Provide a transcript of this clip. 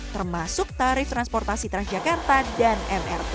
termasuk tarif transportasi transjakarta dan mrt